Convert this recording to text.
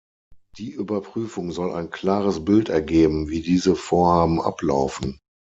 Die Überprüfung soll ein klares Bild ergeben, wie diese Vorhaben ablaufen.